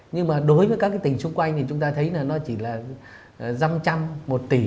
nhưng mà đối với các cái tỉnh xung quanh thì chúng ta thấy là nó chỉ là năm trăm một tỷ